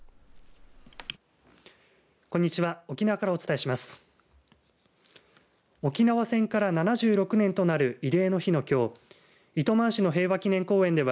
こんにちは。